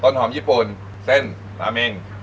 หอมญี่ปุ่นเส้นราเมง